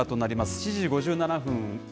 ７時５７分。